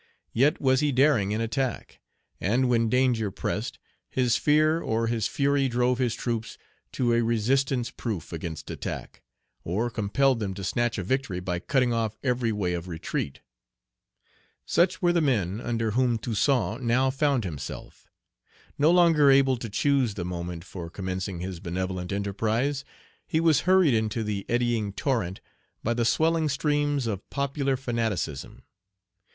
Yet was he daring in attack; and when danger pressed, his fear or his fury drove his troops to a resistance proof against attack, or compelled them to snatch a victory by cutting off every way of retreat. Page 54 Such were the men under whom Toussaint now found himself. No longer able to choose the moment for commencing his benevolent enterprise, he was hurried into the eddying torrent by the swelling streams of popular fanaticism.